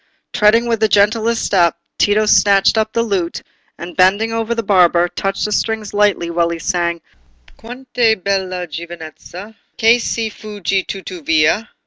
Treading with the gentlest step, Tito snatched up the lute, and bending over the barber, touched the strings lightly while he sang— "Quant' è bella giovinezza, Che si fugge tuttavia!